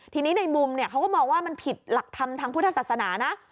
ทีนี้ในมุมเขาก็มองว่ามันผิดหลักธรรมทางพุทธศาสนานะ